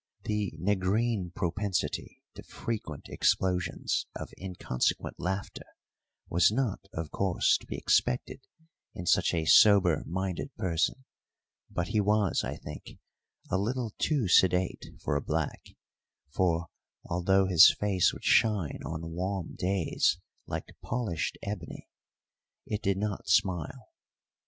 The negrine propensity to frequent explosions of inconsequent laughter was not, of course, to be expected in such a sober minded person; but he was, I think, a little too sedate for a black, for, although his face would shine on warm days like polished ebony, it did not smile.